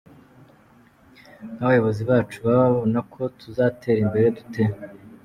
Nk’abayobozi bacu baba babona ko tuzatera imbere dute?”.